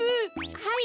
はい。